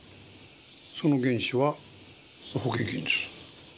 その原資は保険金です。